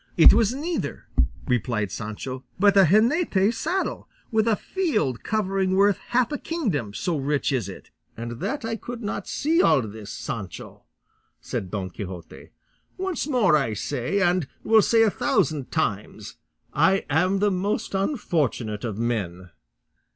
"It was neither," replied Sancho, "but a jineta saddle, with a field covering worth half a kingdom, so rich is it." "And that I could not see all this, Sancho!" said Don Quixote; "once more I say, and will say a thousand times, I am the most unfortunate of men."